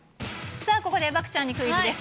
さあ、ここで漠ちゃんにクイズです。